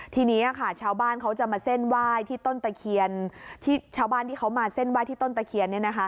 ทีนี้ค่ะชาวบ้านเขาจะมาเส้นไหว้ที่ต้นตะเคียน